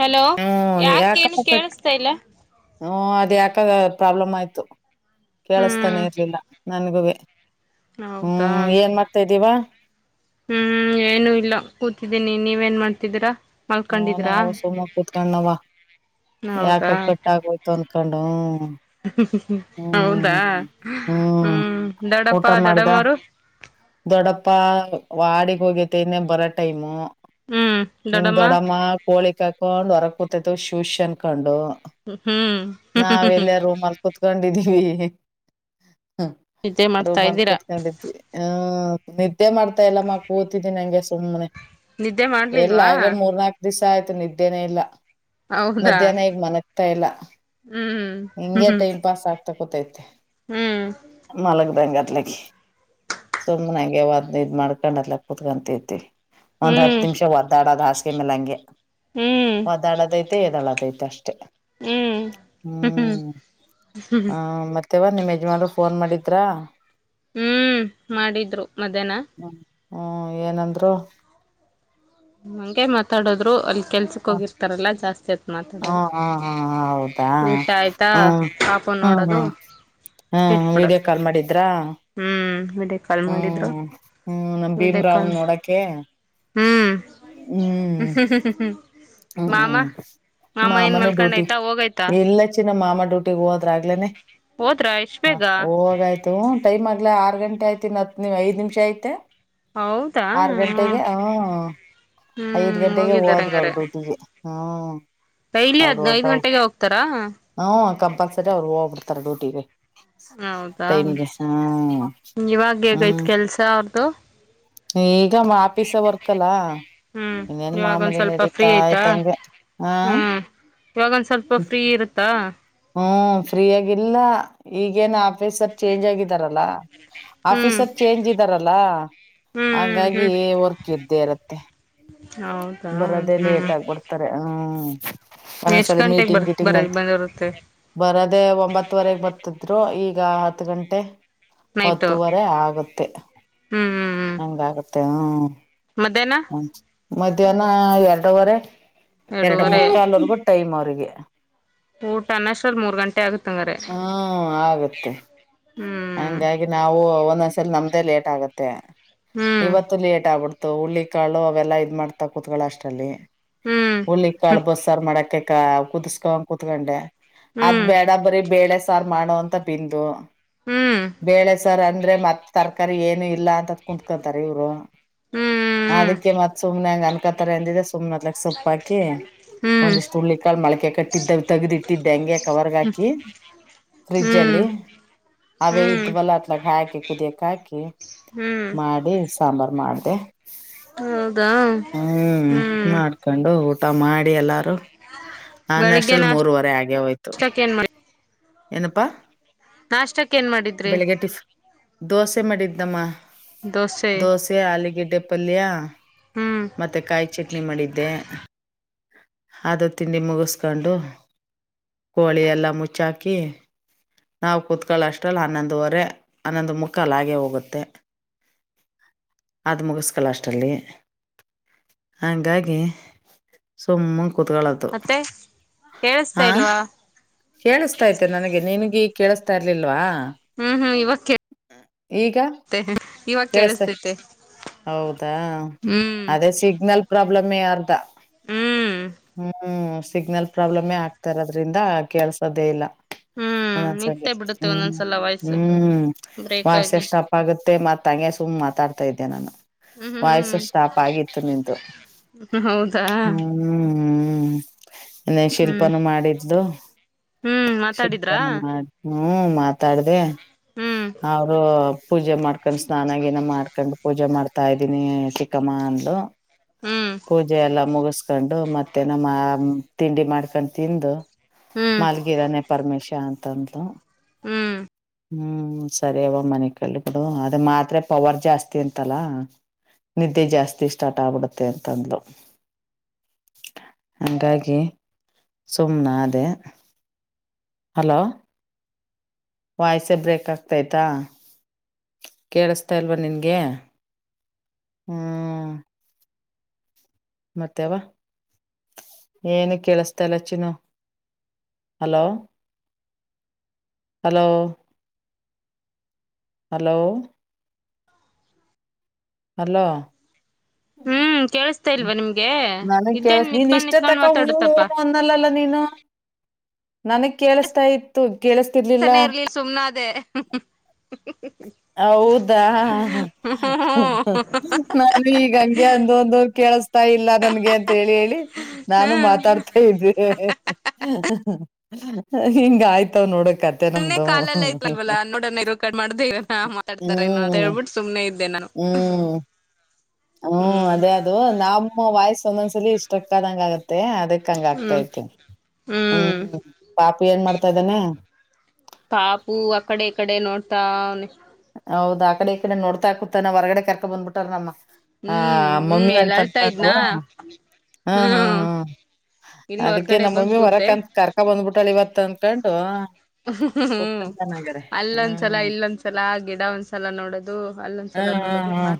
Hello ಹ್ಮ್ ಯಾಕೇನ್ ಕೇಳಿಸತ ಇಲ್ಲ ಹಞ ಅದು ಯಾಕಾಗ ಪ್ರಾಬ್ಲಮ್ ಆಯ್ತು ಕೇಳಿಸ್ತಾನೆ ಹ್ಮ್ ಇರಲಿಲ್ಲ ನನ್ಗೂ ಹೌದಾ ಹ್ಮ್ ಏನ್ ಮಾಡ್ತಾ್ದೀಿವ ಹ್ಮ್ ಏನು ಇಲ್ಲ ಕೂತಿದ್ದೀನಿ ನೀವ ನ್ ಮಾಡ್ತಿದೀರಾ ಹ ನ ಅವ ಸು ಮ ಕುೂತ್ಕ ನವ ಯಾಕ ಹೌದಾ ಕಟ್ಟಾಗೋಯ್ತು ಅನ್ಕೊಂಡು ಹ್ಮ ಹೌದಾ ಹ್ಮ ಹ್ಮ್ ದಡಪ್ಪ ಊಟ ಮಾಡ್ದ ದಡಮರು ದೊಡ್ಡಪ್ಪ ವಾಡಗ್ ಹೋಗೇತೆ ಇನ್ನ ಬರೋ ಟೈಮು ಹ್ಮ್ ದೊಡ ನಿಮ್ ದೊಡ್ಡಮ್ಮ ಕೋಳಿಕ್ ಹಾಕೊಂಡ್ ಹೊರಗೆ ಕೂತೈವು ಶೂಷ ಅನ್ಕೊಂಡು ಹ್ಮ್ ನಾವ ಎಲ್ಲಾರೂಮಲ್ಲಿ ಕುೂತ್ಕೊಂಡಿದ್ದೀವಿ ನಿದ್ದೆ ರೂ ಮಾಡ್ತಾ ಮಲ್ ಇದ್ದೀರಾ ಕುೂತ್ಕೊಂಡಿದ್ವಿ ಹ ನಿದ್ದೆ ಮಾಡ್ತಾ ಎಲ್ಲ ಮ ಕೂತಿದ್ದಿ ನಂಗೆ ಸುಮ್ಮ್ನೆ ನಿದ್ದೆ ಮಾಡ್ಲಿಲ್ವಾ ನಾಲ್ಕ ದಿವಿಸ ಆಯ್ತು ನಿದ್ದೆನ ಇಲ್ಲ ಹೌದಾ ಮಧ್ಯಾಹ್ನ ಈಗ್ ಮನಗ್ತಾ ಇಲ್ಲ ಹ್ಮ್ ಹಿಂಂಗಗೆ ಹ್ಮ್ ಟೈಮ್ ಪಾಸ್ ಆಗ್ತಾ ಕತೈತಿ ಹ್ಮ್ ಮಲಗ್ದಂಗ ಅಲ ಸುಮ್ ನಂಗೆ ಯಾವಾದ್ನ ಇದ್ ಮಾಡ್ಕೊಂಡ್ ಅದಲ ಕುತ್ಕಂತೇತಿವಿ ಒಂದ್ ಹ್ಮ್ ಹತ್ತು ಹ್ಮ್ ನಿಮಿಷ ಒದ್ದಾಡದ ಹಾಸಿಗೆ ಮೇಲೆ ಹಂಗೆ ಹ್ಮ್ ಒದ್ದಾಡೋದಐತೆ ಎದ್ದಾಡದಐತೆ ಇ ದಷ್ಟ ಹ್ಮ್ ಹ್ಮ್ ಹ ಮತ್ತೆವ ನಿಮ್ಮ್ ಯಜಮನ್ರು ಫೋನ್ ಮಾಡಿದ್ರ ಹ್ಮ್ ಮಾಡಿದ್ರು ಮಧ್ಯಾಹ್ನ ಹ್ಮ್ ಏನಂದ್ರು ಹಂಗೆ ಮಾತಾಡದ್ರು ಅಲ್ಲಿ ಕೆಲ್ಸಕ್ ಹ್ಮ್ ಹೋಗಿರ್ತಾರಲ್ಲಾ ಜಾಸ್ತಿ ಆತ್ ಹಾ ಮಾತಾಡಲ್ಲ ಹಾ ಹೌದಾ ಊಟ ಆಯ್ತಾ ಹ್ಮ್ ಆಪ ಹ್ಮ್ ನೋಡದು ಹ್ಮ್ ಹ್ಮ್ ವಿಡಿಯೋ ಇಟ್ಬಿಡದು ಕಾಲ್ ಮಾಡಿದ್ರಾ ಹ್ಮ್ ಡೆ ಕಾಲ್ ಮಾಡಿದ್ರು ಹ್ಮ್ ಹ್ಮ್ ನಮ್ ಬಿ ಕಾಲ್ ಭೀಮ್ರಾವ್ನ್ ನೋಡಕೆ ಹ್ಮ್ ಹ್ಮ ಹ್ಮ್ ಹ್ಮ್ ಹ್ಮ್ ಹ್ಮ್ ಹ್ಮ್ ಹ್ಮ್ ಮಾಮನು ಡ್ಯೂಟಿ ಮಲ್ಕೊಂಡಯ್ತಾ ಹೋಗಯ್ತಾ ಎಲ್ಲ ಚ ನಮ್ಮ ಮಾಮ ಡ್ಯೂಟಿ ಹೋದ್ರಾಗಗ್ಲೇನೆ ಹೋದ್ರಾ ಎಷ್ಟ್ ಹ ಬೇಗ ಹವಾಗ ಆಯ್ತು ಟೈಮ್ ಆಗ್ ಆ ಗಂಟೆ ಆಯ್ತಿ ಇತ್ ಐದು ನಿಮಿಷ ಆಯತೆ ಹೌದಾ ಆರ್ ಗಂಟೆಗೆ ಹ ಐದ್ ಹ್ಮ್ ಗಂಟೆಗೆ ಹೋಗಿದ್ದಾರೆ ಹೋದರು ಅವರು ಹಂಗಾರೆ ಡ್ಯೂಟಿ ಹ್ಮ ಡೈಲಿ ಅವರು ಹದ್ ಐದ್ ಗಂಟೆಗೆ ಹೋಗ್ತಾರಾ ಹ್ಮ ಕಂಪಲ್ಸರಿ ಅವ್ರು ಹೋಗಬ ತರ ಡೋಟಿವವೆ ಹೌದಾ ತೈನಿಕ ಹ್ಮ ಇವಾಗ ಹೇಗೈತ್ ಹ್ಮ್ ಕೆಲ್ಸ ಅವ್ರ್ದು ಈಗ ಆಫೀಸ ವರ್ಕಲ್ಲ ಹ್ಮ್ ಇನ್ನೇನ್ ಇವಾಗೊಂದ್ ಮಾಮೂಲಿ ಸ್ವಲ್ಪ ಫ್ರೀ ನಡೀತಾ ಆಯ್ತಾ ಆಯ್ತಂಗೆ ಹ ಹ್ಮ್ ಇವಾಗೊಂದ ಸ್ವಲ್ಪ ಫ್ರೀ ಇರುತ್ತಾ ಹ್ಮ್ ಫ್ರೀ ಆಗಿಲ್ಲ ಈಗೇನ್ ಆಫೀಸರ್ ಚೇಂಜ್ ಆಗಿದಾರಲ್ಲಾ ಹ್ಮ್ ಆಫೀಸರ್ ಚೇಂಜ್ ಇದ್ದಾರಲ್ಲ ಹ್ಮ್ ಹಾಗಾಗಿ ಹ್ಮ್ ಹ್ಮ್ ವರ್ಕ್ ಇದ್ದೇ ಇರುತ್ತೆ ಹೌದಾ ಬರದೆೇ ಹ್ಮ್ ಲೇಟ್ ಆಗ ಬರ್ತಾರೆ ಹ್ಮ್ ಒಂದೊಂದ್ ಎಷ್ಟ್ ಸಾರಿ ಗಂಟೆಗೆ ಮೀಟಿಂಗ್ ಬರ್ ಕೀಟಿಂಗ್ ಬರ ಅಂತ ಬಂದಿರುತ್ತೆ ಬರದೆೇ ಒಂಬತ್ತವರೆಗೆ ಬರ್ತಿದ್ರು ಈಗ ಈಗ ಹತ್ತು ಗಂಟೆ ನೈಟು ಹತ್ತುವರೆ ಆಗುತ್ತೆ ಹ್ಮ್ ಹಂಗ ಆಾಗುತ್ತೆ ಹ್ಮ್ ಮಧ್ಯಾಹನ ಹ್ಮ ಮಧ್ಯಾಹ್ನ ಎರಡವರೆ ಎರಡು ಎರಡೂವರೆ ಮುಕ್ಕಾಾಲವರ್ಗೂ ಟೈಮ್ ಅವರಿಗೆ ಊಟ ಅಷ್ಟ್ರಲ್ ಮೂರ್ ಗಂಟೆ ಆಗುತ್ತೆ ಹ್ಮ ಆಗತ್ತೆ ಹ್ಮ್ ಹಂಗಾಗಿ ನಾವು ಒಂದೊಂದ್ಸಲ ನಮ್ ತ್ತ ಲೇಟ್ ಆಗುತ್ತೆ ಹ್ಮ್ ಇವತ್ತು ಲೇಟ್ ಆಬಿಡ್ ತ್ತ ಹುಳ್ಳಿ ಕಾಳು ಅವೆಲ್ಲಾ ಇದ್ ಮಾಡ್ತಾ ಕೂತಗಳೊ ಅಷ್ಟಲ್ಲಿ ಹ್ಮ್ ಹುಳ್ಳಿ ಕಾಳು ಬಸ್ಸಾರ ಮಾಡಕ್ಕೆ ಕ ಕುದುಸ್ಕೊಂ ಕುೂತ್ಕೊಂಡೆ ಅದ್ ಹ್ಮ್ ಹ್ಮ್ ಬೇಡ ಬರೀ ಬೇಳೆ ಸ ತಾರ್ ಮಾಡು ಅಂತ ಪಿಂದು ಹ್ಮ್ ಕರಿ ಏನು ಇಲ್ಲ ಅಂತ ಕುತ್ಕೊಂತಾರೆ ಇವ್ರು ಹ್ಮ್ ಅದಕ್ಕೆ ಮತ್ ಸುಮ್ನೆಂಗ ಅನ್ ಕ್ಕ ತರ ಅಂದಿದೆ ಸುಮ್ನ ಅದ್ಳಗ್ ಸೊಪ್ಪಾಕಿ ಹ್ಮ್ ಒಂದಿಷ್ಟು ಉಳ್ಳಿ ಕಾಳ ಮೊಳಕೆ ಕಟ್ಟಿದ್ದೆ ತಗದಿತ್ತಿದ್ದೆ ಹಂಗೆ ಕವರ್ಗ್ ಹಾಕಿ ಫ್ರಿಜ್ ಹ್ಮ್ ಅಲ್ಲಿ ಅವೇ ಇದ್ವಲ್ಲ ಅತ್ಲಗ ಹಾಕಿ ಕುದಿಯಕ್ ಹಾಕಿ ಹ್ಮ್ ಮಾಡಿ ಸಾಂಬಾರ್ ಮಾಡಿದೆ. ಹೌದಾ ಹ್ಮ್ ಮಾಡ್ಕೊಂಡು ಊ ತ ಮಾಡಿ ಎಲ್ಲಾರು ಅನ್ನೋ ಬೆಳಿಗ್ಗೆ ಅಷ್ಟ್ರಲ್ಲಿ ಮೂರವರೆ ಆಗೆ ಹೋಯ್ತು. ನಾಷ್ಟಕ್ ಏನ್ ಮಾಡಿ ಏನಪ್ಪ ನಾಷ್ಟಕ್ ಏನ್ ಮಾಡಿದ್ರಿ ಬೆಳಿಗ್ಗೆ ಟಿಫ್ ದೋಸೆ ಮಾಡಿದ್ನಮ್ಮ ದೋಸೆ ಆಲಿಗಿಡ್ಡೆಪ್ ಪಲ್ಯ ಹ್ಮ್ ಮತ್ತೆ ಕಾಯಿ ಚಟ್ನಿ ಮಾಡಿದ್ದೆ. ಅದು ತಿಂಡಿ ಮುಗಿಸಿಕೊಂಡು ಕೋಳಿ ಎಲ್ಲಾ ಮುಚ್ಚಾಕಿ ನಾವ್ ಕುತ್ಕ [unintelligible] ರಲ್ಲಿ ಹನ್ನೊಂದುವರೆ ಹನ್ನೊಂದು ಮುಕ್ಕಲ್ ಹಾಗೆ ಹೋಗುತ್ತೆ. ಅದದ್ ಮುಗಿಸ್ಕೊಳೊ ಅಷ್ಟಲ್ಲಿ ಹಂಗಾಗಿ ಸುಮ್ಮುಗ್ ಕುತ್ಕೋಳೋದು ಮತ್ತೆ ಕೇಳಿಸ್ತಾ ಹಾ ಇಲ್ವಾ ಕೇಳಿಸ್ತೈತೆ ನನಗೆ ನಿನಗಿ ಕೇಳಿಸ್ತಾ ಇರ್ಲಿಲ್ವಾ ಹ್ಮ್ ಹ್ಮ್ ಇವಕ್ಕೆ ಈಗ ಕೇಳಸ್ತ ಕೇಳಿಸತೈತೆ ಹೌದಾ ಹ್ಮ್ ಅದೇ ಸಿಗ್ನಲ್ ಪ್ರಬ್ ಬ್ಲಮ್ಮೆ ಅರ್ಧ ಹ್ಮ್ ಹ್ಮ ಸಿಗ್ನಲ್ ಪ್ರಬ್ಲಮೇ ಆಗ್ತಾ ಇರೋದ್ರಿಂದ ಕೆಲ್ಸದೇ ಇಲ್ಲ ಹ್ಮ್ ಒಂದೊಂದ್ಸಲಿ ನಿತ್ತೆ ಬಿಡುತ್ತೆ ಹ್ಮ್ ಒಂದೊಂದ್ಸಲ ವಾಯ್ಸು ಹ್ಮ್ ಬ್ರೇಕ್ ವಾಸೆ ಆಗಿ ಸ್ಟಾಪ್ ಆಗುತ್ತೆ ಮತ್ ತಂಗೆ ಸುಮ್ಮ್ ಮಾತಾಡ್ತಾ ಇದ್ದೆ ನಾನು ಹ್ಮ್ ಹ್ಮ್ ವಾಯ್ಸು ಸ್ಟಾಪ್ ಆಗಿತ್ತು ನಿಂದು ಹ್ಮ್ ಹೌದಾ ಹ್ಮ್ ಹ್ಮ್ ನೆ ಹ್ಮ್ ಶಿಲ್ಪನು ಮಾಡಿದ್ಲು ಹ್ಮ್ ಮಾತಾಡಿದ್ರಾ ಶಿಲ್ಪನು ಮಾಡ್ ಹ್ಮ ಮಾತಾಡ್ದೆ ಹ್ಮ್ ಅವರು ಪೂಜೆ ಮಾಡ್ಕೊಂಡ್ ಸ್ನಾನಗಿನ ಮಾಡ್ಕೊಂಡ್ ಪೂಜೆ ಮಾಡ್ತಾ ಇದ್ದೀನಿ ಸಿಕ್ಕಮ್ಮ ಅಂದ್ಲು ಹ್ಮ್ ಪೂಜೆ ಎಲ್ಲ ಮುಗಸ್ಕೊಂಡು ಮತ್ತೆ ನಮ್ಮ ತಿಂಡಿ ಮಾಡ್ಕೊಂಡ್ ತಿಂದು ಹ್ಮ್ ಮಾಲ್ಗಿದನೆ ಪರಮೇಶ ಅಂತ ಅಂದ್ಲು ಹ್ಮ್ ಹ್ಮ್ ಸರಿ ಅವ ಮನಿ ಕಳಿ ಬಿಡು ಅದ ಮಾತ್ರೆ ಪವರ್ ಜಾಸ್ತಿ ಅಂತಲ್ಲ ನಿದ್ದೆ ಜಾಸ್ತಿ ಸ್ಟಾರ್ಟ್ ಆಗ್ಬಿಡುತ್ತೆ ಅಂತಂದ್ಲು ಹಂಗಾಗಿ ಸುಮ್ನಾದೆ ಹಲೋ ವಾಯ್ಸ ಬ್ರೇಕ್ ಆಗ್ತತಾ ಕೇಳಸ್ತಾಲ್ವಾ ನಿನ್ಗೆ ಹ್ಮ್ ಮತ್ತೇವ ಏನು ಕೇಳಸ್ತಇಲ್ಲ ಚಿನು ಹಲೋ ಹಲೋ ಹಲೋ ಹಲೋ ಹ್ಮ್ ಕೇಳಿಸ್ತಾ ಇಲ್ವಾ ನಿಮ್ಗೆ ನನಗ್ ಇದೇನ್ ಕೆಳ್ಸ ನೀನ್ ನಿತ್ಕೊಂಡ್ ಇಷ್ಟೇ ನಿತ್ಕೊಂಡ್ ತಕ್ಕ ಹೂ ಮಾತಾಡುತ್ತಪ್ಪಾ ಹೂನ ಅಂದಲಲ್ಲ ನೀನು ನನಗ್ ಕೇಳಿಸ್ತಾ ಇತ್ತು ಕೇಳಿಸತಿರ್ಲಿಲ್ಲ ತನೇ ಇರ್ಲಿ ಸುಮ್ನಾದೇ ಹ್ ಹ್ ಹ್ ಹ್ ಹೌದಾ ಹ್ ಹ್ ನಾನು ಈಗ ಹಂಗೆ ಅಂದ ಒಂದು ಕೇ ಕೇಳಸ್ತಾ ಇಲ್ಲ ನನ್ಗೆ ಅಂತ ಹೇಳಿ ಹೇಳಿ ನಾನು ಮಾತಾಡ್ತಾ ಇದ್ದೆ ಹ್ ಹ್ ಹ್ ಹಾ ಹಿಂಗ ಆಯ್ತಾವ್ ನೋಡೋ ಕತೆೆ ಸುಮ್ನೆ ನಮ್ದ್ ಹ್ಮ ಕಾಲೆಲ್ಲ ಹ್ ಹ್ ಐತ್ಲ್ವಲ್ಲ ಹ್ ನೋಡೋಣ ಇರು ಕಟ್ ಮಾಡ್ದೆ ಇರೋಣ ಮಾತಾಡ್ತಾರೇನೋ ಅಂತ ಹ್ಮ್ ಹೇಳ್ಬಿಟ್ಟು ಸುಮ್ನೆ ಇದ್ದೆ ನಾನು ಹ್ಮ್ ಹ್ಮ್ ಅದೇ ಅದು ನಮ್ಮ್ ವಾಯ್ಸ್ ಒಂದೊಂದ್ಸಲಿ ಸ್ಟ್ರಕ್ಕಾದಂಗ ಆಗತ್ತೆ ಅದಕ್ಕೆ ಹಕ್ಕಂಗ ಹ್ಮ್ ಆಗ್ತಾೈತಿ ಹ್ಮ್ ಪಾಪ ಏನ್ ಮಾಡ್ತಾ ಇದಾನೆ ಪಾಪು ಅಕಡೆ ಈ ಕಡೆ ನೋಡ್ತಾವ್ನೆ ಹೌದ ಆ ಕಡೆ ಈ ಕಡೆ ನೋಡ್ತಾಕೂತಾನ ಹೊರಗಡೆ ಕರ್ಕೊ ಬಂದ್ಬಿಟ್ಟಾ ನಮ್ಮ ಆ ಹ್ಮ್ ಹ್ಮ್ ಮಮ್ಮಿ ಅಲ್ಲಿ ಎಂತಕು ಅಳ್ತಾ ಇದ್ನಾ ಹಾ ಹ್ಮ ಹ್ಮ್ ಇಲ್ಲಿ ಅದಕ್ಕೆ ಹೊರ್ಗಡೆ ನಮ್ಮ ಬಂದ್ ಮಮ್ಮಿ ಕೂತೆ ಮರಕ್ಂತ ಕರ್ಕ ಬಂದ್ಬಿಟಳ ಇವತ್ ಅಂದಕೊಂಡು ಹ್ಮ್ ಹ್ಮ್ ಹ್ ಹ್ ಅಲ್ಲೊಂದ್ಸಲ ಹ್ಮ್ ಇಲ್ಲೊಂದ್ಸಲ ಗಿಡ ಒಂದ್ಸಲ ನೋಡದು ಹ್ಮ್ ಹ್ಮ್ ಹ್ಮ್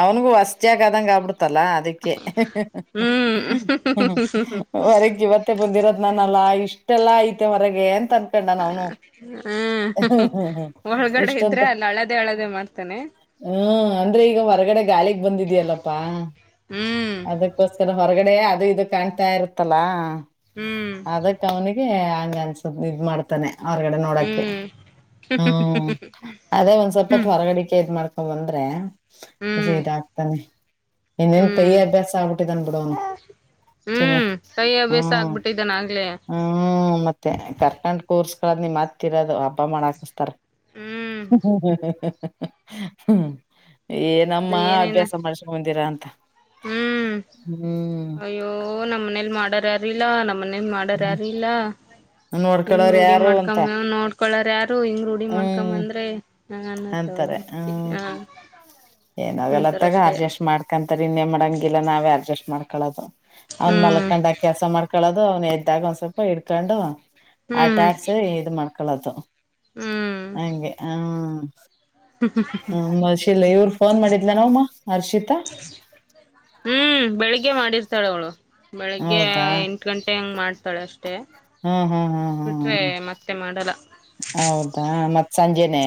ಅವನ್ಗೂ ವಸ್ಜಾಗ ಅದಂಗಗೆ ಆಬಿಡ್ತ ತಲ್ಲ ಅದಕ್ಕೆ ಹ್ಮ್ ಹ್ ಹ್ ಹ್ ಹ್ ಹ ಹ್ ಹ್ ಹೊರಕ್ ಇವತ್ತೆ ಬಂದಿರೋದ್ ನಾನಲ್ಲ ಇಷ್ಟ್ ಇ ಎಲ್ಲಾ ಐತೆ ಹೊರಗೆ ಏ ಅನ್ಕೊಂಡ ನಾವನು ಹ್ಮ್ ಹ್ ಹ್ ಹ್ ಹ್ ಒಳಗಡೆ ಇಷ್ಟಂತ ಇದ್ರೆ ಅಲ್ಲಿ ಅಳದೆ ಅಳದೆ ಮಾಡ್ತಾನೆ ಹ್ಮ ಅಂದ್ರೆ ಈಗ ಹೊರಗಡೆ ಗಾಳಿಗ್ ಬಂದಿದ್ಯಲ್ಲಪ್ಪಾ ಹ್ಮ್ ಅದಕ್ಕೋಸ್ಕರ ಹೊರಗಡೆ ಅದು ಇದು ಕಾಣ್ತಾ ಇರುತ್ತಲ್ಲಾ ಹ್ಮ್ ಹಂಗಗೆ ಅನ್ಸತ್ ಇದನ್ ಮಾಡ್ತಾನೆ ಹೊರಗಡೆ ನೋಡಕ್ಕೆೆ ಹ್ಮ್ ಹ್ಮ್ ಅದೇ ಒಂದ್ ಸಲ್ಪತ್ ಹ್ಮ್ ಹೊರಗಡೆ ದ್ ಮಾಡ್ಕೊಂಡ್ ಬಂದ್ರೆ ಒಸಿ ಹ್ಮ್ ಇದಾಗ್ತಾನೆ ಇನ್ನೇನ್ ಪೇಯ ಹ್ಮ್ ಅಭ್ಯಾಸ ಆಗಬಿಟ್ಟಿದಾನ್ ಬಿಡು ಅವ್ನು ಚಿನ ಹ್ಮ್ ಕೈ ಅಭ್ಯಾಸ ಹ್ಮ ಆಗ್ಬಿಟ್ಟಿದ್ದಾನ ಆಗ್ಲೇ ಹ್ಮ ಮತ್ತೆ ಕರ್ಕಂಡ ಕೂರ್ಸ್ ನಿ ಮತ್ತಿರೋದು ಹಬ್ಬ ಮಾಡ ಹಾಕಸ್ತಾರ ಹ್ಮ್ ಹ್ ಹ್ ಹ್ ಹ್ ಹಾ ಹ್ಮ ಏನಮ್ಮ ಅದು ಏನೇನ ಅಭ್ಯಾಸ ಮಾಡ್ಸಕಂಬದಿರಾ ಅಂತ ಹ್ಮ್ ಹ್ಮ್ ಅಯ್ಯೋ ನಮ್ಮನೇಲಿ ಮಾಡಾರಾರಿಲ್ಲ ನಮ್ಮನೆ ಮ ಮಾಡರ್ಯಾರಿಲ್ಲ ಹಿಂಗ್ ನೋಡ್ಕೊಳೋರ್ ರೂಢಿ ಯಾರು ಮಾಡ್ಕೊ ಅಂತ ನೋಡ್ಕೊಳರ್ ಯಾರು ಹಿಂಗ್ ರೂಢಿ ಹ್ಮ್ ಮಾಡ್ಕೊಂದ್ರೆ ಅಂತಾರೆ ಹ್ಮ ಏನಾಗಲ್ಲತ್ತಗ ಅಂತಾರಷ್ಟೇ ಅರ್ಜಸ್ಟ್ ಮಾಡ್ಕಂತ ನ್ನೇ ಮಾಡಂಗಿಲ್ಲ ನಾವೇ ಅಡ್ಜಸ್ಟ್ ಮಾಡ್ಕೊಳ್ಳೋದು ಅವ್ನ್ ಹ್ಮ್ ಮಲಕೊಂಡ ಕೆಲಸ ಮಾಡ್ಕೊಳ್ಳದು ಅದು ಅವನ ಎದ್ದಾಗ ಒಂದ್ ಸ್ವಲ್ಪ ಹಿಡ್ಕೊಂಡು ಆಟ ಹ್ಮ್ ಆಡ್ಸಿ ಇದ ಮಾಡ್ಕಳದು ಹ್ಮ್ ಹಂಗೆ ಹ್ಮ್ ಹ ಮಷಿಲ್ಲ ಇವ್ರ ಫೋನ್ ಮಾಡಿದ್ಲ ನವಮ್ಮ ಅರ್ಷಿತಾ ಹ್ಮ್ ಬೆಳಿಗ್ಗೆ ಮಾಡಿರ್ತಾಳ ಅವಳು ಬೆಳಿಗ್ಗೆ ಹೌದಾ ಎಂಟು ಗಂಟೆ ಹಂಗ್ ಮಾಡ್ತಾಳೆ ಅಷ್ಟೇ ಹ್ಮ್ ಹ್ಮ್ ಹ್ಮ್ ಬಿಟ್ರೆ ಹ್ಮ್ ಮತ್ತೆ ಮಾಡಲ್ಲ ಹೌದಾ ಮತ್ತ್ ಸಂಜೆನೆೇ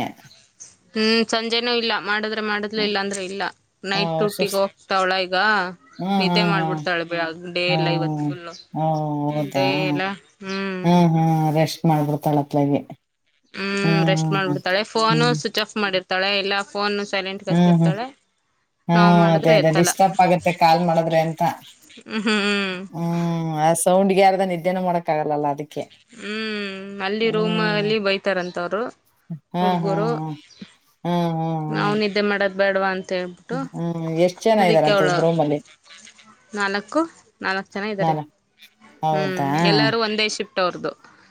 ಹ್ಮ್ ಸಂಜೆನೂ ಇಲ್ಲ ಮಾಡಿದ್ರೆ ಮಾಡದ್ಲು ಇಲ್ಲಾ ಅಂದ್ರೆ ಇಲ್ಲ ನೈಟ್ ಡ್ಯೂಟಿಗೆ ಸುಸ್ ಹೋಗ್ತಾವಳ ಈಗ ಹ್ಮ್ ನಿದ್ದೆ ಹ್ಮ್ ಹ್ಮ್ ಮಾಡ್ಬಿಡ್ತಾಳೆ ಬಳ ಡೇ ಎಲ್ಲ ಇವತ್ತು ಫುಲ್ ಹಓ ಹೌದಾ ಹ್ಮ ಹ್ಮ ರೆಸ್ಟ್ ಮಾಡ್ಬಿಡ್ತಳತ್ಲಗೆ ಹ್ಮ್ ರೆಸ್ಟ್ ಮಾಡ್ಬಿಡ್ತಾಳೆ ಫೋನು ಹ್ಮ್ ಸ್ವಿಚ್ ಆಫ್ ಮಾಡಿರ್ತಾಳೆ ಎಲ್ಲಾ ಫೋನ್ ಸೈಲೆಂಟ್ಗೆ ಹಾಕಿರ್ತಾಳೆ ಹ್ಮ ನಾವು ಅದೇ ಮಾಡಿದ್ರೆ ಅದೇ ಎತ್ತಲ್ಲ ಡಿಸ್್ಟಪ್ ಆಗತ್ತೆ ಕಾಲ್ ಮಾಡದ್ರೆ ಎಂತ ಹ್ಮ್ ಹ್ಮ್ ಹ್ಮ್ ಸೌಂಡ್ ಗ್ಯಾರದ ನಿದ್ದೇನ ಮಾಡೋಕ್ಕಗಲ್ಲ ಅದಕ್ಕೆ ಹ್ಮ್ ಹ್ಮ ಅಲ್ಲಿ ರೂಮ್ ಹ್ಮ್ ಅಲ್ಲಿ ಬೈತಾರಂತವರು ಹ್ಮ್ ಹ್ಮ್ ಹುಡುಗರು ಹ್ಮ್ ಹ್ಮ್ ಹ್ಮ್ ಹ್ಮ್ ನನಿದ್ದೆ ಮಾಡೋದ್ ಬೇಡವಾ ಅಂತ ಹೇಳ್ಬಿಟ್ಟು ಹ್ಮ್ ಎಷ್ಟ್ ಜನ ಅದಕ್ಕೆ ಇದ್ದಾರಂತ ಅವಳ ಒಂದ್ ರೂಮ್ ಅಲ್ಲಿ [unintelligible] ನಾಲ್ಕು ನಾಲ್ಕು ಜನ ಇದಾರೆ ನಾನ ಹ್ಮ್ ಎಲ್ಲಾರೂ ಒಂದೇ ಶಿ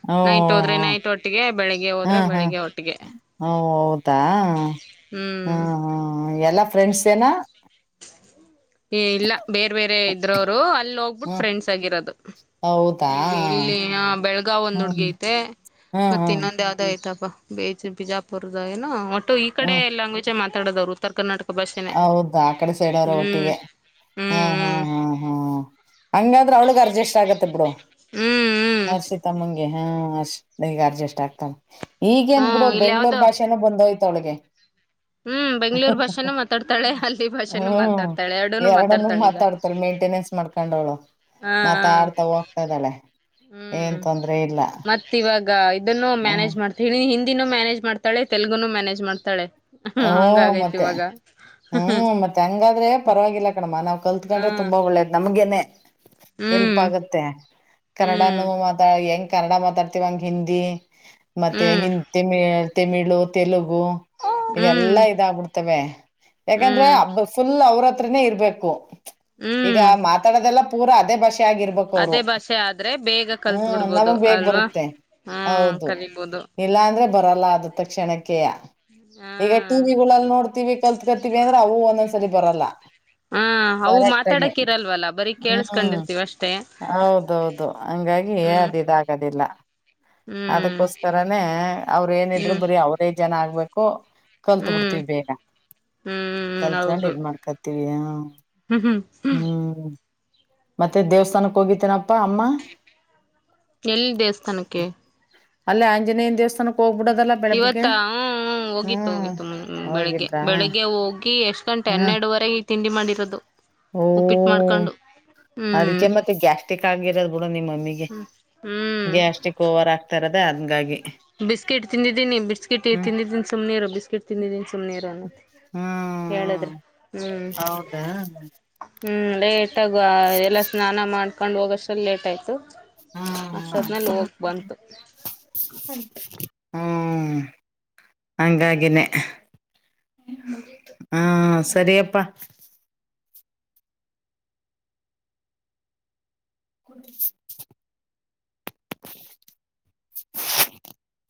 ಹಓ ಹ ಹ್ಮ್ ಒಟ್ಟಿಗೆ ಬೆಳಿಗ್ಗೆ ಹಾ ಹೋದ್ರೆ ಹ ಬೆಳಿಗ್ಗೆ ಒಟ್ಟಿಗೆ ಹೌದು ಹೌದಾ ಹ ಹ್ಮ್ ಹಾ ಎಲ್ಲಾ ಫ್ರೆಂಡ್ಸ್ ಏನ ಏ ಇಲ್ಲ ಬೇರೆ ಬೇರೆ ಇದ್ರೋರು ಅಲ್ಲಿ ಹೋಗ್ಬಿಟ್ಟ ಹ್ಮ್ ಫ್ರೆಂಡ್ಸ್ ಆಗಿರೋದು ಹೌದಾ ಇ ಇಲ್ಲಿ ಬೆಳಗಾವ್ ಒಂದ್ ಹುಡ್ಗಿ ಹ್ಮ್ ಐತೆ ಹ್ಮ್ ಮತ್ತೆ ಹ್ಮ್ ಇನ್ನೊಂದ ಯಾವ್ದ ಐ್ತಪ್ಪ ಬೇಜ ಬಿಜಾಪುರ್ದ ಏನೋ ಒಟ್ಟು ಈ ಕಡೆ ಲ್ಯಾಂಗ್ವೇಜ್ ಮಾತಾಡೋವ್ರು ಉತ್ತರ ಕರ್ನಾಟಕ ಭಾಷೆನೆ ಹೌದ ಆ ಕಡೆ ಸೈಡ್ ಅವ್ರ ಹ್ಮ್ ಒಟ್ಟಿಗೆ ಹ್ಮ್ ಹ್ಮ್ ಹ್ಮ್ ಹ್ಮ್ ಹಂಗಾದ್ರೆ ಅವ್ಳಗ್ ಅರ್ಜಸ್ಟ್ ಆಗತ್ತ ಬಿಡು ಹ್ಮ್ ಹ್ಮ್ ಹರ್ಷಿತ ಅಮ್ಮಂಗೆ ಹಾ ಅಷ್ಟ್ ಈಗ ಅಡ್ಜಸ್ಟ್ ಆಗ್ತಾನ ಈಗ ಏನ್ ಬಿಡು ಹ್ಮ್ ಇಲ್ಲಿ ಬೆಂಗಳೂರ್ ಯಾವ್ದೋ ಭಾಷೆನ ಬಂದೋಯ್ತು ತೋಳಿಗೆ ಹ್ಮ್ ಬೆಂಗ್ಳೂರ್ ಭಾಷೆನ ಮಾತಡ್ತವಿ ಮಾತಾಳೆ ಹಳ್ಳಿ ಭಾಷೆನು ಹ್ಮ್ ಮಾತಾಡ್ತಾಳೆ ಎರಡನು ಎರಡನ್ನು ಮಾತಾಡ್ತಾಳೆ ಈಗ ಮಾತಾಡ್ತಾಳ ಮೇಂಟೆನೆನ್ಸ್ ಮಾಡ್ಕೊಂಡವಳು ಹಾ ಹ ಮಾತಾಡ್ತಾ ಹೋಗ್ತಾ ಇದ್ದಾಳೆ ಏನ್ ಹ್ಮ್ ತೊಂದ್ರೆ ಇಲ್ಲ ಮತ್ ಇವಾಗ ಈಗ ಇದನ್ನು ಹ್ಮ್ ಮ್ಯಾನೇಜ್ ಮಾಡ್ತಾಳೆ ಹಿಂದಿನೂ ಮ್ಯಾನೇಜ್ ಮಾಡ್ತಾಳೆ ತೆಲುಗುನು ಮ್ಯಾನೇಜ್ ಮಾಡ್ತಾಳೆ ಹ ಹ್ಮ ಹಂಗಾಗೈತಿ ಮತ್ತೆ ಇವಾಗ ಹ್ಮ್ ಹ ಮತ್ತೆ ಹಂಗಾದ್ರೆ ಪರವಾಗಿಲ್ಲ ಕಣಮ್ಮ ಕಲ್ತ್ಕೊಂಡ್ರೆ ತುಂಬಾ ಒಳ್ಳೇದು ನಮಗೇನು ಹೆಲ್ಪ್ ಹ್ಮ್ ಆಗುತ್ತೆ ಕನ್ನಡ ಹ್ಮ್ ನು ಮಾತಾಡ ಹೆಂಗ್ ಕನ್ನಡ ಮಾತಾಡ್ತೀವಿ ಹಂಗೆ ಹಿಂದಿ ಹ್ಮ್ ತಮಿಳು ತೆಲುಗು ಹ್ಮ್ ಇವೆಲ್ಲಾ ಇದಾಗಬಿಡ್ತವೆ ಹ್ಮ್ ಯಾಕಂದ್ರೆಬ್ಬ ಫುಲ್ ಅವ್ರತ್ರ ಇರಬೇಕು ಈಗ ಹ್ಮ್ ಮಾತಾಡದೆಲ್ಲ ಪೂರ ಅದೇ ಬ ಭಾಷೆ ಆಗಿರ್ಬೇಕು ಅವ್ರು ಅದೇ ಭಾಷೆ ಆದ್ರೆ ಬೇಗ ಕಲ್ತ್ ಹ್ಮ ಬಿಡ್ಬೋದು ನಮಗ್ ಬೇಗ ಅಲ್ವಾ ಬರುತ್ತೆ ಹ್ಮ್ ಹೌದು ಕಲಿಬೋದು ಇಲ್ಲಾ ಅಂದ್ರೆ ಬರಲ್ಲ ಆದ ತಕ್ಷಣಕ್ಕೆಯ ಈಗ ಹ್ಮ್ ಟಿವಿಗಳಲ್ಲಿ ನೋಡ್ತೀವಿ ಕಲ್ತ್ಕರ್ತಿೀವಿ ಅಂದ್ರ ಅವು ಒಂದೊಂದ್ಸರಿ ಬರಲ್ಲ ಹಾ ಅವು ಕರೆಕ್ಟಾಗಿ ಮಾತಾಡಕ್ ಇರಲ್ವಲ್ಲ ಬರೀ ಹ್ಮ್ ಕೇಳಸ್ಕೊಂಡಿರ್ತೀವ ಅಷ್ಟೇ ಹೌದೌದು ಹಂಗಾಗಿ ಹ್ಮ್ ಅದ ಇದ ಆಗದಿಲ್ಲ ಹ್ಮ್ ಅದಕ್ಕೋಸ್ಕರನೇ ಅವ್ರೇಏನಿದ್ರು ಹ್ಮ್ ಬರೀ ಅವರೇ ಜನ ಆಗ್ಬೇಕು ಕಲ್ತ್ ಹ್ಮ್ ಬಿಡ್ತೀವಿ ಬೇಗ ಹ್ಮ್ ಕಲ್ತ್ಕೊಂಡು ಹೌದು ಇದ್ ಮಾಡ್ಕತ್ತೀವಿ ಹ ಹ್ಮ್ ಹ್ಮ್ ಮತ್ತೆ ದೇವಸ್ಥಾನಕ್ ಹೋಗಿತೇನಪ್ಪಾ ಅಮ್ಮ ಎಲ್ಲಿ ದೇವಸ್ಥಾನಕ್ಕೆ ಅಲ್ಲ ಆಂಜನೇಯ ದೇಸ್ಥಾನಕ್ಕೆ ಇವತ್ತ ಹೋಗಿತ್ತು ಹ್ಮ್ ಹೋಗಿತ್ತು ಬೆಳಿಗ್ಗೆ ಹೋಗಿದ್ರಾ ಬೆಳಿಗ್ಗೆ ಹೋಗಿ ಎಷ್ಟ್ ಗಂಟೆ ಗಂಟೆ ಹ ಎನ್ನೆರಡುವರೆಗೆ ತಿಂಡಿ ಮಾಡಿರೋದು ಓ ಉಪ್ಪಿಟ್ಟು ಮಾಡ್ಕೊಂಡು ಹ್ಮ್ ಅದಕ್ಕೆ ಮತ್ತೆ ಗ್ಯಾಸ್ಟ್ರಿಕ್ ಆಗಿರದ್ ಬಿಡು ನಿಮ್ಮ ಮಮ್ಮಿಗೆ ಹ್ಮ್ ಗ್ಯಾಸ್ಟ್ರಿಕ್ ಓವರ್ ಹ ಆಗ್ತಾರತ್ತ ಅದಿಕ್ಕೆ ಹಂಗಾಗಿ ಬಿಸ್ಕೆಟ್ ತಿಂದಿದ್ದೀನಿ ಬಿಸ್ಕೆಟ್ ಹ್ಮ್ ತಿಂದಿದ್ದೀನಿ ಸುಮ್ನೆ ಇರು ಬಿಸ್ಕೆಟ್ ತಿಂದಿದ್ದೀನಿ ಸುಮ್ನೆ ಇರು ಅನ್ನತ್ತೆ ಹ್ಮ್ ಹೇಳುದ್ರೆ ಹ್ಮ್ ಹೌದಾ ಹ್ಞೂ ಲೇಟಾಗಿ ಎಲ್ಲ ಸ್ನಾನ ಮಾಡ್ಕೊಂಡು ಹೋಗೋಷ್ಟಲ್ಲ ಲೇಟ್ ಆಯಿತು [inaudible] ಹ್ಮ್ [unintelligible] ಹ್ಮ ಹಂಗಾಗಿನೇ [inaudible] [inaudible] ಹಾ ಸರಿಪ್ಪಾ [unintelligible]